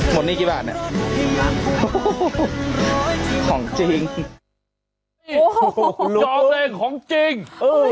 หมดหนี้กี่บาทเนี้ยของจริงโอ้โหยอมเองของจริงเออ